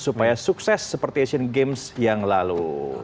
supaya sukses seperti asian games yang lalu